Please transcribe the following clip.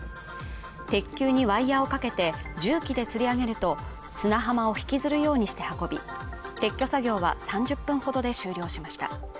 鉄球にワイヤーをかけて重機でつり上げると、砂浜を引きずるようにして運び撤去作業は３０分ほどで終了しました。